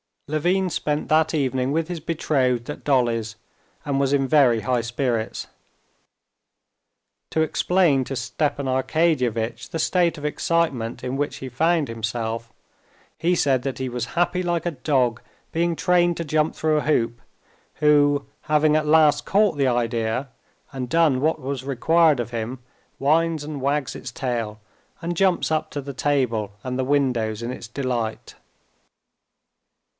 Levin spent that evening with his betrothed at Dolly's, and was in very high spirits. To explain to Stepan Arkadyevitch the state of excitement in which he found himself, he said that he was happy like a dog being trained to jump through a hoop, who, having at last caught the idea, and done what was required of him, whines and wags its tail, and jumps up to the table and the windows in its delight.